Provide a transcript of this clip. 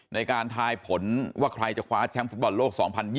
ในการทายผลว่าใครจะคว้าแชมป์ฟุตบอลโลก๒๐๒๐